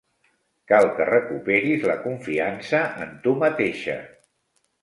Cal que recuperis la confiança en tu mateixa.